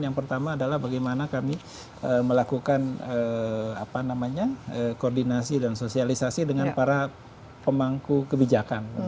yang pertama adalah bagaimana kami melakukan koordinasi dan sosialisasi dengan para pemangku kebijakan